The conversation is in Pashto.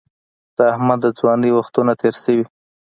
د احمد د ځوانۍ وختونه تېر شوي